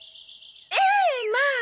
ええまあ。